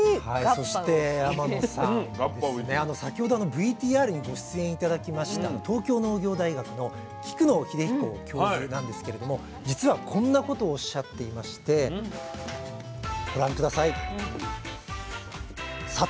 そして天野さん先ほどＶＴＲにご出演頂きました東京農業大学の菊野日出彦教授なんですけれども実はこんなことをおっしゃっていましてご覧下さい。